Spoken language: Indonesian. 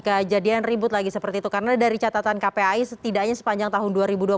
kejadian ribut lagi seperti itu karena dari catatan kpai setidaknya sepanjang tahun dua ribu dua puluh satu